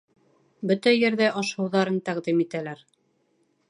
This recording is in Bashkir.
Бөтә ерҙә аш-һыуҙарын тәҡдим итәләр.